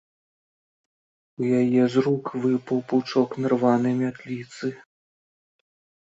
У яе з рук выпаў пучок нарванай мятліцы.